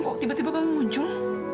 kok tiba tiba kamu muncul